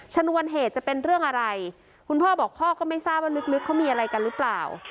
ชนวนเหตุจะเป็นเรื่องอะไรคุณพ่อบอกพ่อก็ไม่ทราบว่าลึกเขามีอะไรกันหรือเปล่า